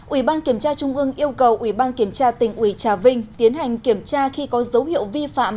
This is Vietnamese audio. ủy ban kiểm tra trung ương yêu cầu ủy ban kiểm tra tỉnh ủy trà vinh tiến hành kiểm tra khi có dấu hiệu vi phạm